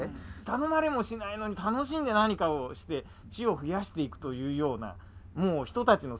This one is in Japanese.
頼まれもしないのに楽しんで何かをして知を増やしていくというようなもう人たちの世界ではなくなる。